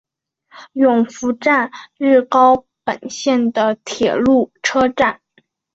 勇拂站日高本线的铁路车站。